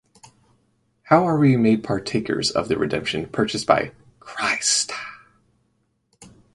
How are we made partakers of the redemption purchased by Christ?